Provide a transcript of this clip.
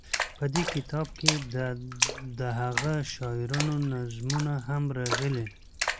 په دې کتاب کې دهغه شاعرانو نظمونه هم راغلي.